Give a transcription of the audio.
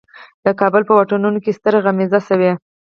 د کابل په واټونو کې ستره غمیزه شوه.